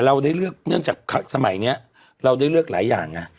เราได้เลือกเนื่องจากสมัยนี้เราได้เลือกหลายอย่างไง